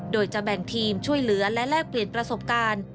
โดยจะแบ่งทีมช่วยเหลือและแลกเปลี่ยนประสบการณ์